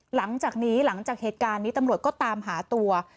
หลังจากนี้หลังจากเหตุการณ์นี้ตำรวจก็ตามหาตัว